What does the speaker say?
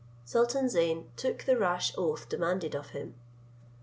Sultan Zeyn took the rash oath demanded of him.